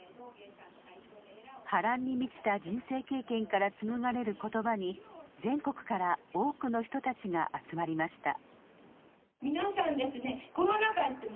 波乱に満ちた人生経験から紡がれる言葉に全国から多くの人たちが集まりました。